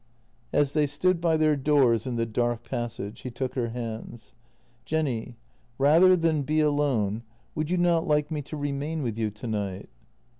As they stood by their doors in the dark passage he took her hands: " Jenny, rather than be alone, would you not like me to remain with you tonight?